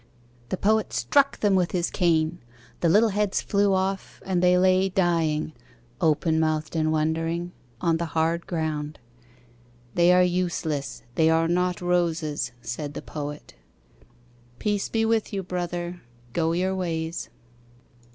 The Poet struck them with his cane. The little heads flew off, and they lay Dying, open mouthed and wondering, On the hard ground. "They are useless. They are not roses," said the Poet. Peace be with you, Brother. Go your ways.